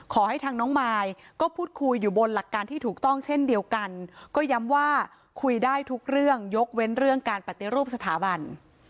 ขอให้ทางน้องมายก็พูดคุยอยู่บนหลักการที่ถูกต้องเช่นเดียวกันก็ย้ำว่าคุยได้ทุกเรื่องยกเว้นเรื่องการปฏิรูปสถาบัน